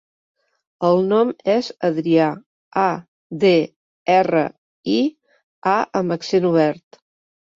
El nom és Adrià: a, de, erra, i, a amb accent obert.